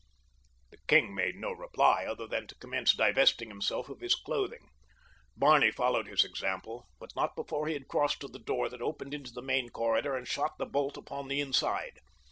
The king made no reply other than to commence divesting himself of his clothing. Barney followed his example, but not before he had crossed to the door that opened into the main corridor and shot the bolt upon the inside.